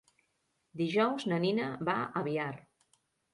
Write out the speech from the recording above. Dijous na Nina va a Biar.